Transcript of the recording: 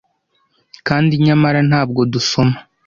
kandi nyamara ntabwo dusoma